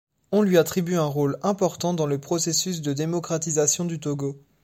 On lui attribue un rôle important dans le processus de démocratisation du Togo.